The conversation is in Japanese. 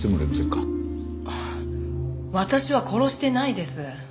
私は殺してないです。